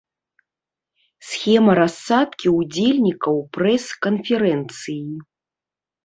Схема рассадкі ўдзельнікаў прэс-канферэнцыі.